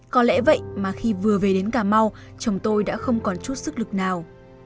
có lẽ vậy mà khi vừa về đến cà mau chồng tôi đã không còn chút sức lực nào